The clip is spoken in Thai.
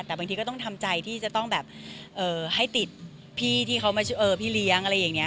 แต่บางทีก็ต้องทำใจที่จะต้องแบบให้ติดพี่ที่เขามาพี่เลี้ยงอะไรอย่างนี้